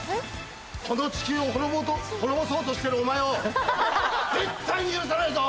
その地球をほろぼと滅ぼそうとしてるお前を絶対に許さないぞ！